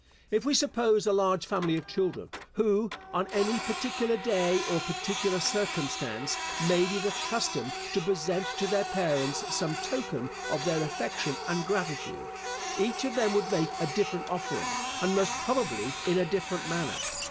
If we suppose a large family of children, who, on any particular day, or particular circumstance, made it a custom to present to their parents some token of their affection and gratitude, each of them would make a different offering, and most probably in a different manner.